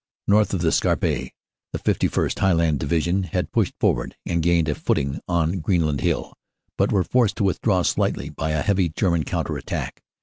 "North of the Scarpe, the 51st. (Highland) Division had pushed forward and gained a footing on Greenland Hill, but were forced to withdraw slightly by a heavy German counter attack.